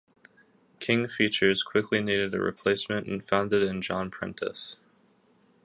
King Features quickly needed a replacement and found it in John Prentice.